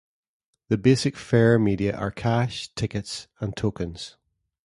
The basic fare media are cash, tickets, and tokens.